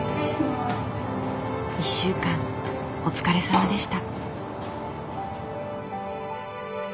１週間お疲れさまでした。